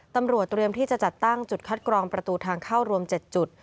เตรียมที่จะจัดตั้งจุดคัดกรองประตูทางเข้ารวม๗จุด